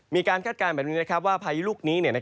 คาดการณ์แบบนี้ว่าพายุลูกนี้